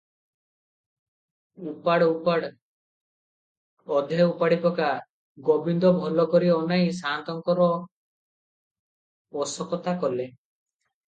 ଉପାଡ଼ ଉପାଡ୍ ଅଧେ ଉପାଡ଼ିପକା ।' ଗୋବିନ୍ଦ ଭଲ କରି ଅନାଇ ସା'ନ୍ତଙ୍କର ପୋଷକତା କଲା ।